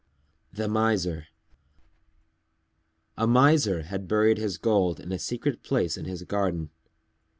_ THE MISER A Miser had buried his gold in a secret place in his garden.